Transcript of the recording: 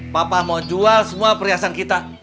papa mau jual semua perhiasan kita